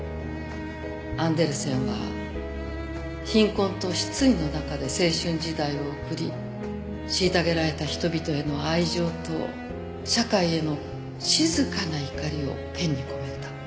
アンデルセンは貧困と失意の中で青春時代を送り虐げられた人々への愛情と社会への静かな怒りをペンに込めた。